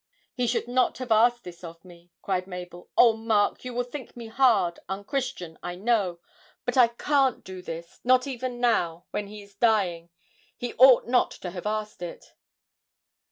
'He should not have asked this of me,' cried Mabel. 'Oh, Mark, you will think me hard, unchristian, I know, but I can't do this not even now, when he is dying ... he ought not to have asked it.'